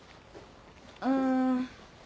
うん。